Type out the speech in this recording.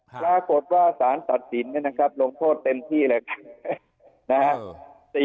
พระโกตว่าศาลตัดสินนะครับลงโทษเต็มที่เลยครับ